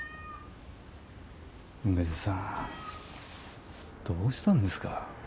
梅津さんどうしたんですか。